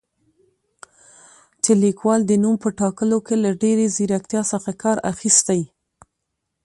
چې لیکوال د نوم په ټاکلو کې له ډېرې زیرکتیا څخه کار اخیستی